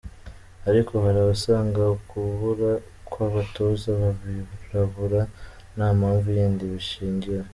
Ariko hari abasanga ukubura kw’abatoza b’abirabura nta mpamvu yindi bishingiyeho.